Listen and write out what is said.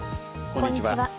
こんにちは。